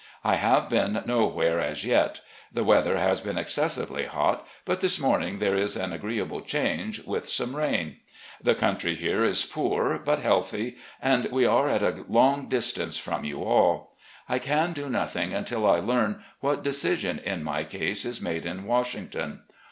I have been nowhere as yet. The weather has been excessively hot, but this morning there is an agreeable change, with some rain. The country here is poor but healthy, and we are at a long distance from you all. I can do nothing until I learn what decision in my case is made in Washington.